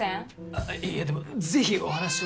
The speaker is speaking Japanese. あっいやいやでも是非お話を。